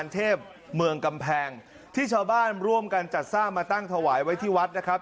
ที่ชาวบ้านรวมกันจัดทราบมาตั้งถวายไว้ที่วัดนะครับ